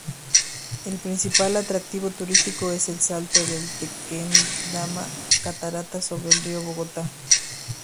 El principal atractivo turístico es el Salto del Tequendama, catarata sobre el río Bogotá.